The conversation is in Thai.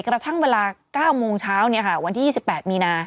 แกระทั่งเวลา๙โมงเช้าเนี่ยค่ะวันที่๒๘มีนา